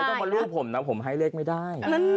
ไม่ต้องมาลูกผมนะผมให้เล็กไม่ได้